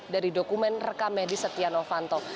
dari dokumen rekam medis setia novanto